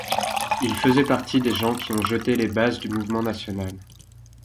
Il faisait partie des gens qui ont jeté les bases du mouvement national.